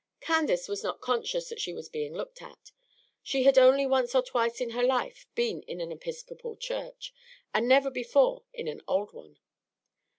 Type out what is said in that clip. Candace was not conscious that she was being looked at. She had only once or twice in her life been in an Episcopal church, and never before in an old one.